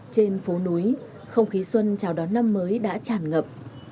trên phố núi không khí xuân chào đón năm mới đã tràn ngập